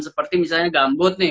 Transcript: seperti misalnya gambut nih